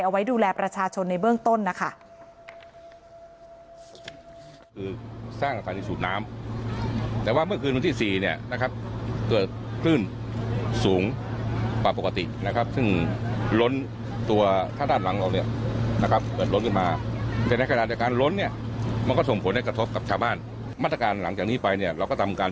เอาไว้ดูแลประชาชนในเบื้องต้นนะคะ